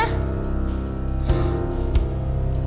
pokoknya atu dia itu